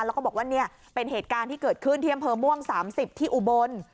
แล้วก็บอกว่าเป็นเหตุการณ์ที่เกิดขึ้นเทียมเผอร์ม่วง๓๐ที่อุบล